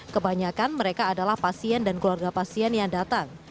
kebanyakan mereka adalah pasien dan keluarga pasien yang datang